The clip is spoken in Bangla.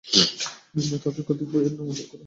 নিম্নে তাঁদের মধ্যে কতিপয় এর নাম উল্লেখ করা হলো।